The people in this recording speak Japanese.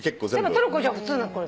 トルコじゃ普通なのこれ。